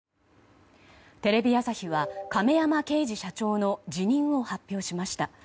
テレビ朝日は亀山慶二社長の辞任を発表しました。